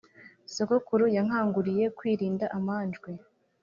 Sogokuru yankanguriye kwirinda amanjwe